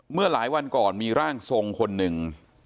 เมื่อหลายวันก่อนมีร่างทรงคนหนึ่ง